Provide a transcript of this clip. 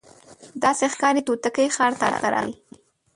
داسي ښکاري توتکۍ ښار ته راغلې